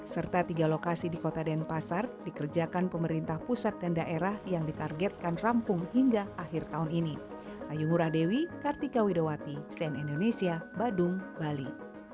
serta tiga lokasi di kota denpasar dikerjakan pemerintah pusat dan daerah yang ditargetkan rampung hingga akhir tahun ini